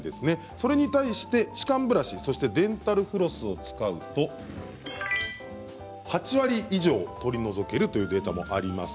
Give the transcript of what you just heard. それに対して歯間ブラシそしてデンタルフロスを使うと８割以上取り除けるというデータもあります。